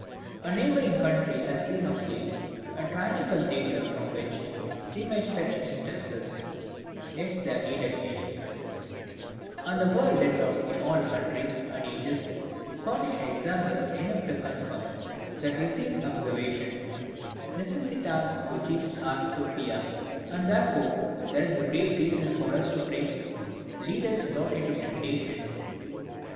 A neighbouring country has been of late a tragical theatre from which we might fetch instances, if there needed any, and the world did not in all countries and ages furnish examples enough to confirm that received observation: NECESSITAS COGIT AD TURPIA; and therefore there is great reason for us to pray, 'Lead us not into temptation.